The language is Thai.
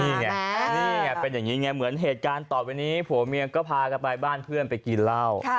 นี่ไงนี่ไงเป็นอย่างนี้ไงเหมือนเหตุการณ์ต่อไปนี้ผัวเมียก็พากันไปบ้านเพื่อนไปกินเหล้า